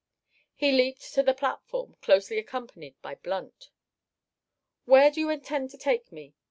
He leaped to the platform, closely accompanied by Blunt. "Where do you intend to take me?"